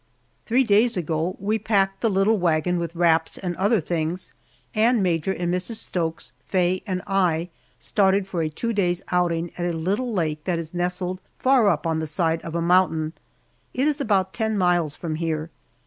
Three days ago we packed the little wagon with wraps and other things, and Major and Mrs. Stokes, Faye, and I started for a two days' outing at a little lake that is nestled far up on the side of a mountain. It is about ten miles from here.